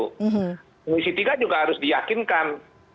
komisi tiga juga harus diyakinkan